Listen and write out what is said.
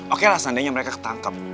oke lah seandainya mereka ketangkep